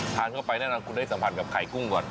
ทานเข้าไปแนะนำคุณได้สัมผัสกับไข่กุ้งก่อน